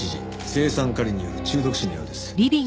青酸カリによる中毒死のようです。